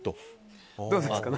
どうですか